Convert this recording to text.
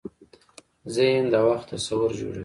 ذهن د وخت تصور جوړوي.